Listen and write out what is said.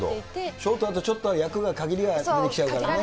ショートだとちょっと役に限りが出てきちゃうからね。